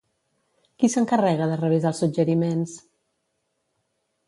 Qui s'encarrega de revisar el suggeriments?